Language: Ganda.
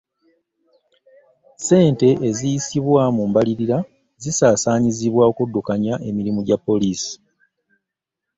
Ssente eziyisibwa mu mbalirira zisaasanyizibwa okuddukanya emirimu gya poliisi.